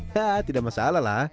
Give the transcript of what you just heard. hah tidak masalah lah